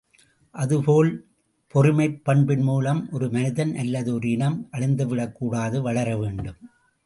அதுபோல் பொறுமைப் பண்பின் மூலம் ஒரு மனிதன் அல்லது ஒரு இனம் அழிந்துவிடக் கூடாது வளர வேண்டும்.